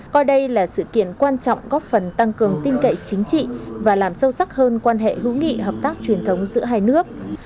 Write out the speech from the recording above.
coi đây là sự kiện quan trọng góp phần tăng cường tin cậy chính trị và làm sâu sắc hơn quan hệ hữu nghị hợp tác truyền thống giữa hai nước